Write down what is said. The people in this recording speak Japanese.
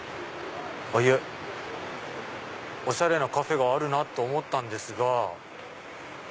いえおしゃれなカフェがあるなぁと思ったんですが。